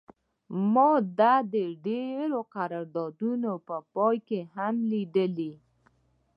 ما دا د ډیرو قراردادونو په پای کې هم لیدلی دی